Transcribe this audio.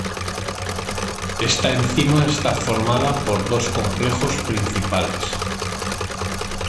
Esta enzima está formada por dos complejos principales.